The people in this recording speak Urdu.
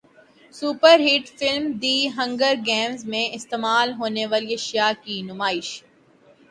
super hit film the Hunger Games میں استعمال ہونیوالی اشیاء کی نمائش